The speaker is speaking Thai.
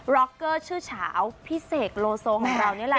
็อกเกอร์ชื่อเฉาพี่เสกโลโซของเรานี่แหละ